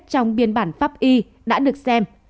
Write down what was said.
trong biên bản pháp y đã được xem